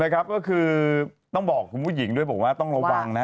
ก็คือต้องบอกคุณผู้หญิงด้วยบอกว่าต้องระวังนะ